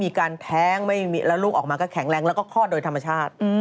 แท้งแล้วลูกออกมาก็แข็งแรงแล้วก็คลอดโดยธรรมชาติ